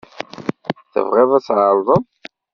Tebɣiḍ ad tεerḍeḍ?